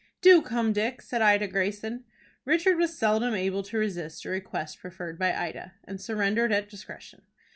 "Do come, Dick," said Ida Greyson. Richard was seldom able to resist a request preferred by Ida, and surrendered at discretion.